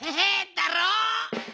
だろ？